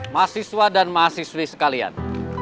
mahasiswa dan mahasiswi sekalian